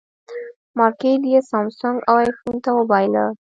مارکېټ یې سامسونګ او ایفون ته وبایله.